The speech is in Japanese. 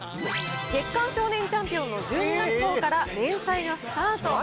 月刊少年チャンピオンの１２月号から連載がスタート。